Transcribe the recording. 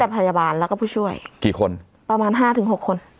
พยาบาลแล้วก็ผู้ช่วยกี่คนประมาณห้าถึงหกคน